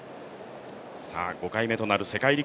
５回目となる世陸